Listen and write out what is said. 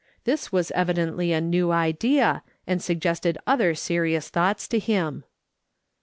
This was evidently a new idea, and suggested other serious thoughts to him.